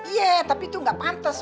iya tapi itu gak pantes